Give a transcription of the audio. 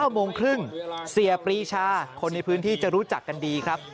๙โมงครึ่งเสียปรีชาคนในพื้นที่จะรู้จักกันดีครับ